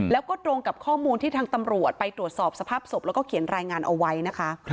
แล้วก็ตรงกับข้อมูลที่ทางตำรวจไปตรวจสอบสภาพศพแล้วก็เขียนรายงานเอาไว้นะคะ